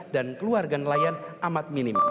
dan keluarga nelayan amat minim